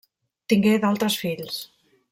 Tingué d'altres fills.